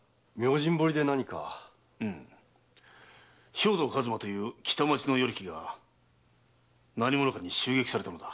兵藤数馬という北町の与力が何者かに襲撃されたのだ。